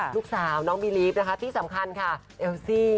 ลูกสาวน้องบีลีฟนะคะที่สำคัญค่ะเอลซี่